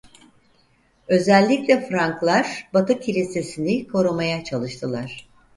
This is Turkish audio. Özellikle Franklar Batı kilisesini korumaya çalıştılar.